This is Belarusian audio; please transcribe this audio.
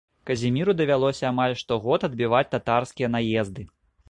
Казіміру давялося амаль штогод адбіваць татарскія наезды.